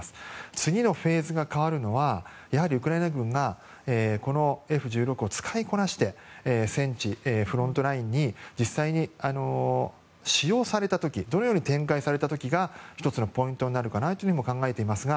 次のフェーズが変わるのはウクライナ軍がこのＦ１６を使いこなして戦地、フロントラインに実際に使用された時展開された時が１つのポイントになるかなとも考えていますが。